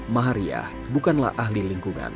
mahariyah bukanlah ahli lingkungan